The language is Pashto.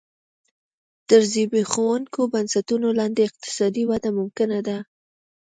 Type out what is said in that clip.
تر زبېښونکو بنسټونو لاندې اقتصادي وده ممکنه ده.